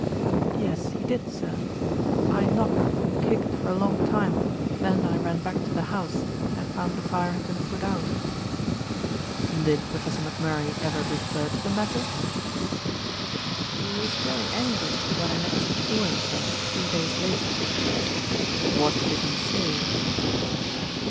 "Yes, he did, sir. I knocked and kicked for a long time, then I ran back to the house and found the fire had been put out." "Did Professor McMurray ever refer to the matter?" "He was very angry when I next saw him, sir, three days later." "What did he say?"